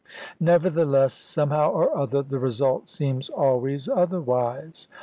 Nevertheless, somehow or other, the result seems always otherwise.